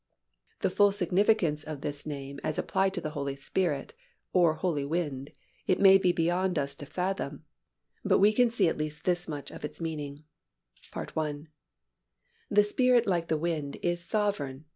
" The full significance of this name as applied to the Holy Spirit (or Holy Wind) it may be beyond us to fathom, but we can see at least this much of its meaning: (1) The Spirit like the wind is sovereign.